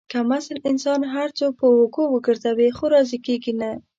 کم اصل انسان که هر څو په اوږو وگرځوې، خو راضي کېږي نه.